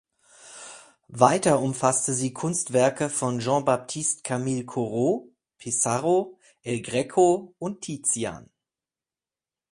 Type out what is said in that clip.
Weiter umfasste sie Kunstwerke von Jean-Baptiste Camille Corot, Pissarro, El Greco und Tizian.